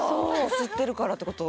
擦ってるからってこと？